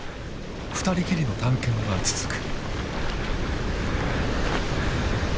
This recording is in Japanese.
２人きりの探検は続く。